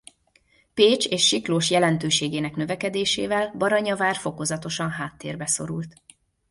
Pécs és Siklós jelentőségének növekedésével Baranyavár fokozatosan háttérbe szorult.